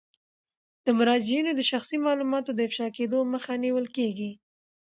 د مراجعینو د شخصي معلوماتو د افشا کیدو مخه نیول کیږي.